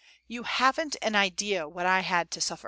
You haven't an idea what I had to suffer.